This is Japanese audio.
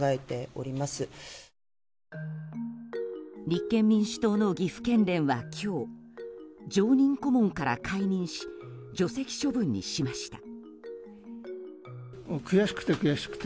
立憲民主党の岐阜県連は今日常任顧問から解任し除籍処分にしました。